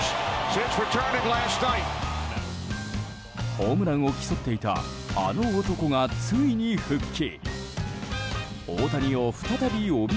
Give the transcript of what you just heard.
ホームランを競っていたあの男がついに復帰。